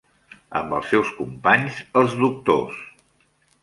Amb els seus companys, els doctors